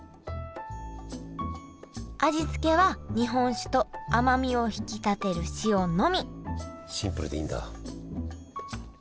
味付けは日本酒と甘みを引き立てる塩のみシンプルでいいんだ。